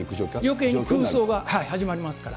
よけいに空想が始まりますから。